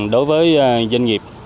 đối với doanh nghiệp